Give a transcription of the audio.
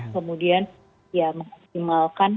kemudian ya maksimalkan